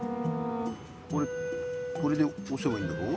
これでおせばいいんだろ？